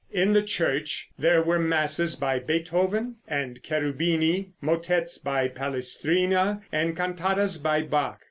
In the church there were masses by Beethoven and Cherubini, motettes by Palestrina, and cantatas by Bach.